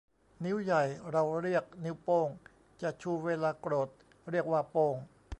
นิ้วใหญ่ เราเรียกนิ้วโป้ง จะชูเวลาโกรธ เรียกว่าโป้ง